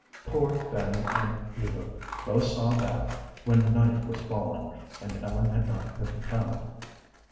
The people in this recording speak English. Poor Fanny and Eva both saw that, when night was falling and Ellen had not been found.